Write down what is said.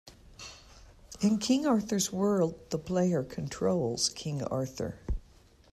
In "King Arthur's World", the player controls King Arthur.